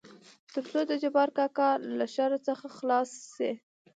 تر څو دجبار کاکا له شر څخه خلاص شي.